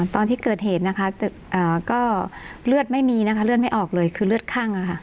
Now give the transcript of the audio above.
ตอนที่เกิดเหตุนะคะก็เลือดไม่มีนะคะเลือดไม่ออกเลยคือเลือดคั่ง